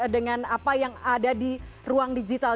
dengan apa yang ada di ruang digital